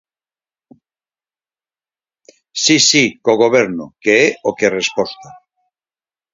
Si, si, co Goberno, que é o que resposta.